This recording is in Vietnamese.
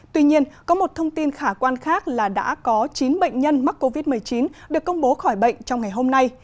tuy nhiên có một thông tin khả quan khác là đã có chín bệnh nhân mắc covid một mươi chín được công bố khỏi bệnh trong ngày hôm nay